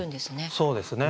そうですね。